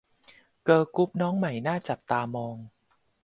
เกิร์ลกรุ๊ปน้องใหม่น่าจับตามอง